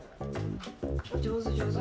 上手上手。